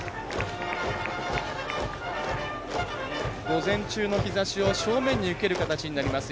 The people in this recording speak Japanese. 午前中の日ざしを正面で受ける形になります。